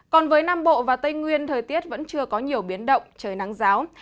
còn với nam bộ và tây nguyên thời tiết vẫn chưa có nhiều biến động trời nắng giáo